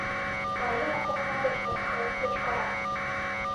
— Марина окна гыч мыскылен кычкыра.